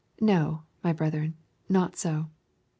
No, my brethren, not so.